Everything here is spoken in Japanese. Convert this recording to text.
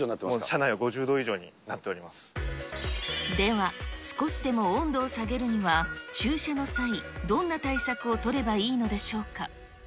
車内は５０度以上になっておでは、少しでも温度を下げるには、駐車の際、どんな対策を取ればいいのでしょうか。